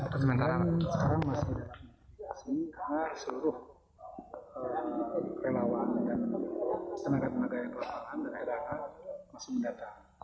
kerelawan dan senangkan pemagai kelembagaan dan heran masih mendatang